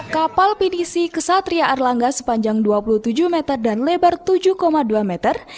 kapal pinisi kesatria erlangga sepanjang dua puluh tujuh meter dan lebar tujuh dua meter